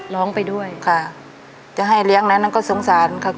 ร้องไปด้วยค่ะจะให้เลี้ยงนั้นก็สงสารค่ะ